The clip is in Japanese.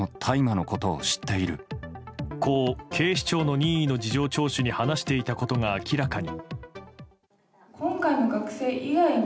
こう警視庁の任意の事情聴取に話していたことが明らかに。